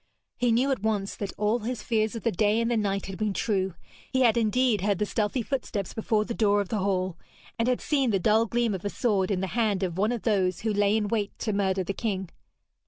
He knew at once that all his fears of the day and the night had been true. He had indeed heard the stealthy footsteps before the door of the hall, and had seen the dull gleam of a sword in the hand of one of those who lay in wait to murder the king.